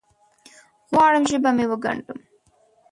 غواړم ژبه مې وګنډم